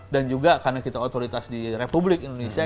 dan juga karena kita otoritas di republik indonesia